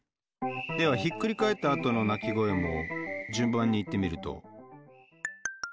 ではひっくり返ったあとの鳴き声も順番に言ってみると？